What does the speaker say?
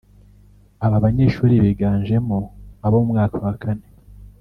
Aba banyeshuri biganjemo abo mu mwaka wa kane